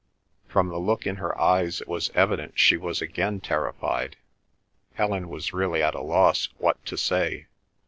From the look in her eyes it was evident she was again terrified. Helen was really at a loss what to say.